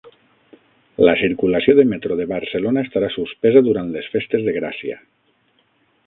La circulació del Metro de Barcelona estarà suspesa durant les festes de Gràcia